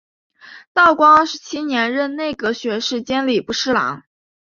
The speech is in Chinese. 道光二十七年任内阁学士兼礼部侍郎。